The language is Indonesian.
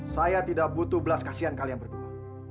saya tidak butuh belas kasihan kalian berdua